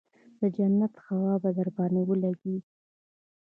د جنت هوا به درباندې ولګېګي.